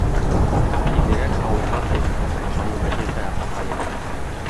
Тиҙерәк һауыға күр, Банубәдиғә апаҡайым.